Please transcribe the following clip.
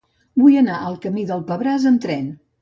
Vull anar al camí del Pebràs amb tren.